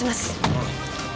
ああ。